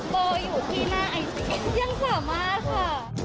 โบอยู่ที่หน้าไอซีเอสยังสามารถค่ะ